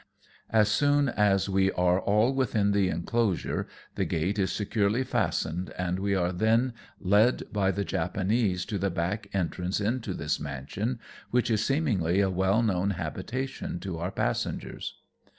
As soon as we are all within the enclosure, the gate is securely fastened, and we are then led by the Japanese to the back entrance into this mansion, which is seemingly a well known habitation to our passengers.